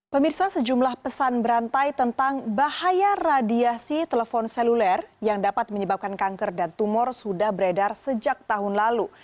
pemirsa sejumlah pesan berantai tentang bahaya radiasi telepon seluler yang dapat menyebabkan kanker dan tumor sudah beredar sejak tahun lalu